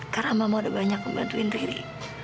karena mama udah banyak ngebantuin riri